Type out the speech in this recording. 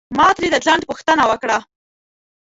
ما ترې د ځنډ پوښتنه وکړه.